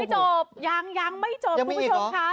แต่ยังไม่จบยังไม่จบคุณผู้ชมค่ะ